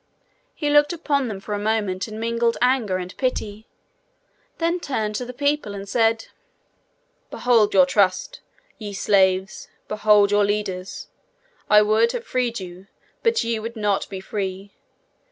He looked upon them for a moment in mingled anger and pity, then turned to the people and said: 'Behold your trust! Ye slaves, behold your leaders! I would have freed you, but ye would not be free.